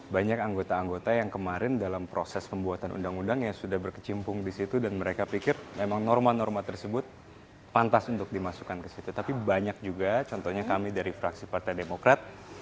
banyak anggota anggota yang kemarin dalam proses pembuatan undang undang yang sudah berkecimpung disitu dan mereka pikir memang norma norma tersebut pantas untuk dimasukkan ke situ tapi banyak juga contohnya kami dari fraksi partai demokrat